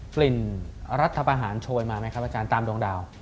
กลิ่นรัฐประหารโชยมาไหมครับอาจารย์ตามดวงดาว